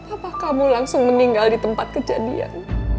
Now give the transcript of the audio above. apa kamu langsung meninggal di tempat kejadian